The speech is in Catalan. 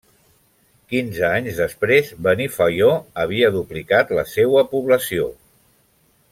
Quinze anys després, Benifaió havia duplicat la seua població.